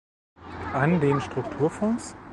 An den Strukturfonds?